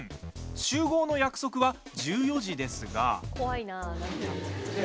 集合の約束は１４時ですが。